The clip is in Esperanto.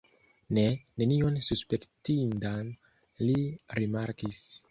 Ne, nenion suspektindan li rimarkis.